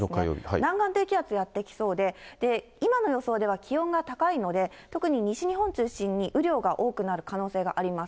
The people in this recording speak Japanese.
南岸低気圧やって来そうで、今の予想では気温が高いので、特に西日本中心に雨量が多くなる可能性があります。